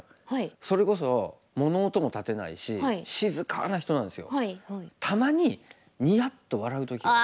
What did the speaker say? それこそ物音も立てないし静かな人なんですよ。